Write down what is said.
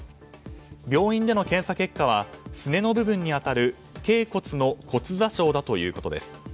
病院での検査結果はすねの部分に当たるけい骨の骨挫傷だということです。